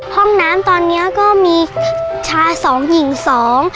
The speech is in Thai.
ห้องน้ำตอนเนี้ยก็มีชายสองหญิงสอง